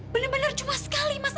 bener bener cuma sekali mas